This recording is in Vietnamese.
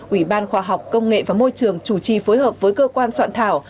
ủy ban khoa học công nghệ và môi trường chủ trì phối hợp với cơ quan soạn thảo